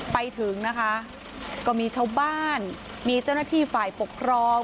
ไปถึงนะคะก็มีชาวบ้านมีเจ้าหน้าที่ฝ่ายปกครอง